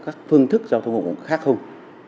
các phương thức giao thông khác không